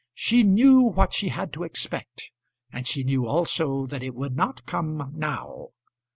She knew what she had to expect, and she knew also that it would not come now.